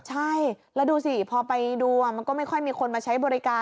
ใช่แล้วดูสิพอไปดูมันก็ไม่ค่อยมีคนมาใช้บริการ